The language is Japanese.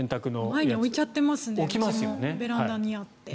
前に置いちゃっていますねうちも。